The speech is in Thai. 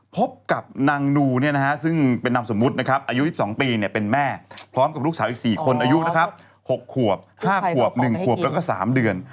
พบกับนางนูซึ่งเป็นนามสมมุตินะครับอายุ๒๒ปีเป็นแม่พร้อมกับลูกสาวอีก๔คนอายุนะครับ๖ขวบ๕ขวบ๑ขวบแล้วก็๓เดือน